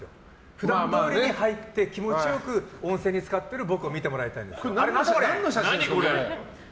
普段通りに入って気持ちよく温泉につかってる僕を見てもらいたいんです。